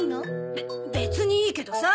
べ別にいいけどさ。